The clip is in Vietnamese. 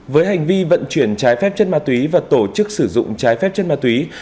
với hành vi vận chuyển trái phép chất ma túy và tổ chức sử dụng trái phép chất ma túy